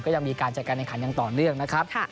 ก็ยังมีการจัดการในขันยังต่อเรื่องนะครับ